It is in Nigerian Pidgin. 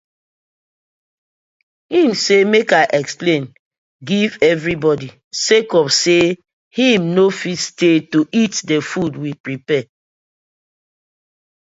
Im say mek I explain giv everi bodi sake of say im no fit stay to eat the food we prapare.